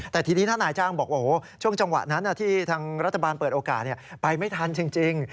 แต่ทีนี้ถ้านายจ้างบอกโอ้โหช่วงจังหวะนั้นที่ทางรัฐบาลเปิดโอกาสไปไม่ทันจริง